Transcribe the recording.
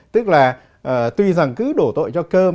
tức là tuy rằng cứ đổ tội cho cơm